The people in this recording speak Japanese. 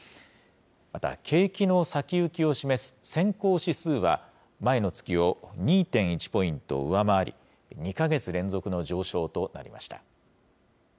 また、景気の先行きを示す先行指数は、前の月を２．１ポイント上回り、２か月連続の上昇となりました。